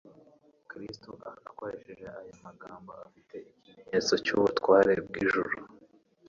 Kristo akoresheje aya magambo afite ikimenyetso cy'ubutware bw'ijuru,